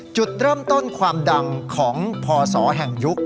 จุดเริ่มต้นความดังของพศแห่งยุค